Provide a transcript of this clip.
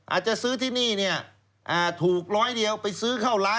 อาจจะซื้อที่นี่เนี่ยถูกร้อยเดียวไปซื้อเข้าร้าน